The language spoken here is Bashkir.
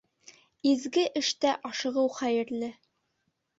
Изге эштә ашығыу хәйерле.